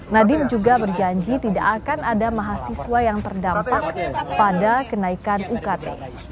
nadiem juga berjanji tidak akan ada mahasiswa yang terdampak pada kenaikan ukt